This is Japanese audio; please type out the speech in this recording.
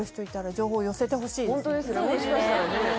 もしかしたらね